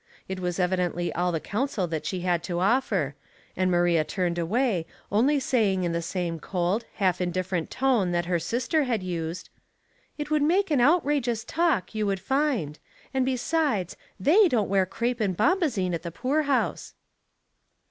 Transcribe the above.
It was evidently all the coun sel that she had to offer, and Maria turned away, only saying in the same cold, half indifferent tone that her sister had used, —" It would make an ' outrageous ' talk, you would find ; and, besides, ' they ' don't wear crape and bombazine at the poor house."